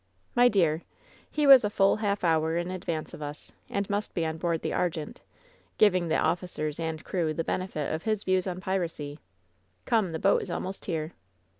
"My dear, he was a full half hour in advance of us, and must be on board the Argente, giving the officers and crew the benefit of his views on piracy! Come, the boat is almost here!"